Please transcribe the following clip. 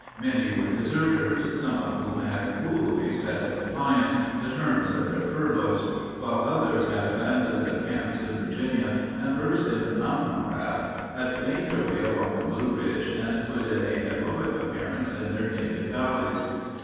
Many were deserters, some of whom had coolly set at defiance the terms of their furloughs, while others had abandoned the camps in Virginia, and, versed in mountain craft, had made their way along the Blue Ridge and put in a heroic appearance in their native valleys.